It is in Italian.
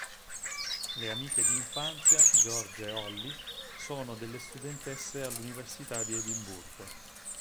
Le amiche di infanzia Georgia e Holly, sono delle studentesse all'università di Edimburgo.